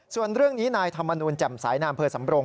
ส่วนเรื่องนี้นายธรรมนูลแจ่มสายนามเภอสำรง